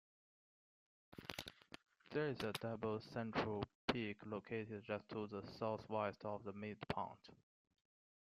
There is a double central peak located just to the southwest of the midpoint.